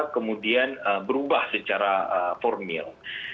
kemudian berubah secara formil